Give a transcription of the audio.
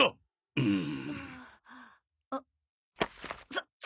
うん？